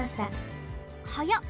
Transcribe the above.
はやっ！